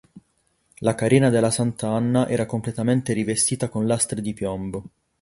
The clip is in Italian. La carena della "Santa Anna" era completamente rivestita con lastre di piombo.